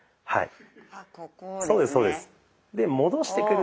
はい。